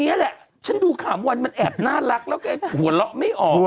นี่แหละฉันดูคามมันน่ารักหัวเลาะไม่ออก